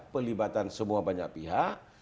pelibatan semua banyak pihak